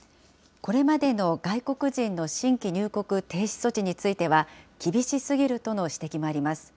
これまでの外国人の新規入国停止措置については、厳しすぎるとの指摘もあります。